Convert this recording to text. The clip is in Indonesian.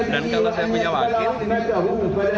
dan kalau saya punya wakil